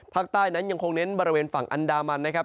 ภาคใต้นั้นยังคงเน้นบริเวณฝั่งอันดามันนะครับ